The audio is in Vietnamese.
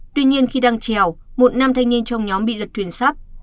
tuy nhiên khi đang trèo một nam thanh niên trong nhóm bị lật thuyền sáp